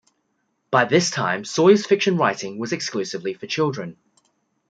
By this time Sawyer's fiction writing was exclusively for children.